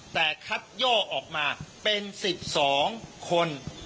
แต่คัดย่อออกมาเป็น๑๒คน